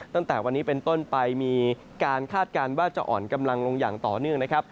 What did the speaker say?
ตั้งแต่วันนี้เป็นต้นไปมีการคาดการณ์ว่าจะอ่อนกำลังลงอย่างต่อเนื่องนะครับ